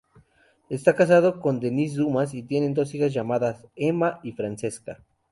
Esta casado con Denise Dumas y tienen dos hijas llamadas Emma y Francesca.